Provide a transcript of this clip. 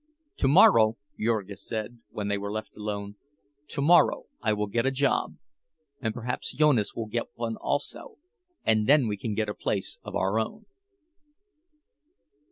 "Tomorrow," Jurgis said, when they were left alone, "tomorrow I will get a job, and perhaps Jonas will get one also; and then we can get a place of our own."